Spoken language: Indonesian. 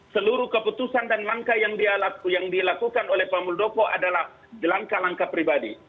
seluruh keputusan dan langkah yang dilakukan oleh pak muldoko adalah langkah langkah pribadi